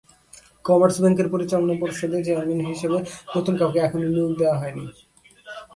Commerce ব্যাংকের পরিচালনা পর্ষদে চেয়ারম্যান হিসেবে নতুন কাউকে এখনো নিয়োগ দেওয়া হয়নি।